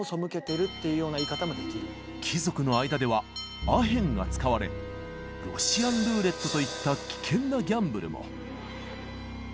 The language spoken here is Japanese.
貴族の間ではアヘンが使われロシアンルーレットといった危険なギャンブルも。